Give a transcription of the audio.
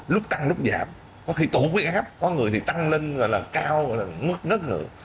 lúc tăng lúc giảm có khi tổ quý áp có người thì tăng lên gọi là cao gọi là ngứt nứt người